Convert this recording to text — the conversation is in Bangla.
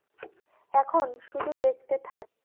এখন, শুধু দেখতে থাক।